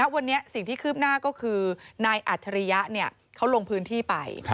วันนี้สิ่งที่คืบหน้าก็คือนายอัจฉริยะเขาลงพื้นที่ไป